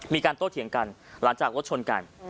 โต้เถียงกันหลังจากรถชนกัน